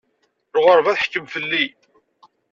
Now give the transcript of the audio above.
Lɣeṛba teḥkem fell-i.